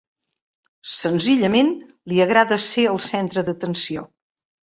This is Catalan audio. Senzillament li agrada ser el centre d'atenció.